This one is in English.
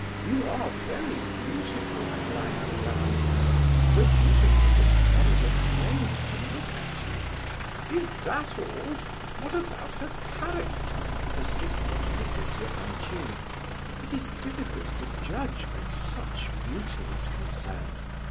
You are very beautiful, Aglaya Ivanovna, so beautiful that one is afraid to look at you." "Is that all? What about her character?" persisted Mrs. Epanchin. "It is difficult to judge when such beauty is concerned.